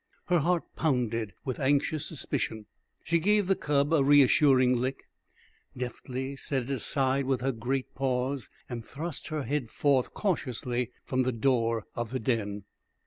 Her heart pounded with anxious suspicion. She gave the cub a reassuring lick, deftly set it aside with her great paws, and thrust her head forth cautiously from the door of the den.